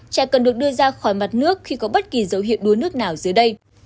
trẻ cần được đưa ra khỏi mặt nước khi có bất kỳ dấu hiệu đua nước nào dưới đây